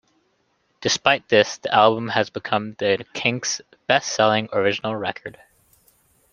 Despite this the album has become the Kinks' best-selling original record.